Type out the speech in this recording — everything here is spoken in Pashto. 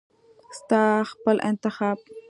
ستا خپل انتخاب .